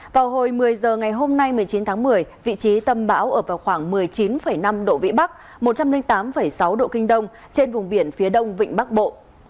vào hồi một mươi h ngày hôm nay một mươi chín tháng một mươi vị trí tâm bão ở vào khoảng một mươi chín năm độ vĩ bắc một trăm linh tám sáu độ kinh đông trên vùng biển phía đông vịnh bắc bộ